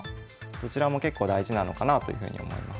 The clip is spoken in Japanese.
どちらも結構大事なのかなあというふうに思います。